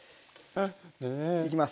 いきます。